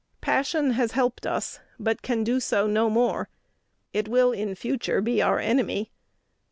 Passion has helped us, but can do so no more. It will in future be our enemy.